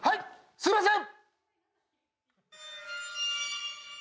すみません！